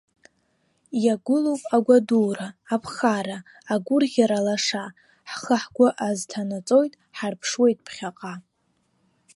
Иагәылоуп агәадура, аԥхара, агәырӷьара лаша, ҳхы-ҳгәы азҭанаҵоит, ҳарԥшуеит ԥхьаҟа.